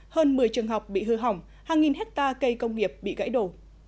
hơn một mươi trường học bị hư hỏng hàng nghìn hectare cây công nghiệp bị gãy đổ